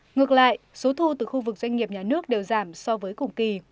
ngược lại số thu từ khu vực doanh nghiệp nhà nước đều giảm so với cùng kỳ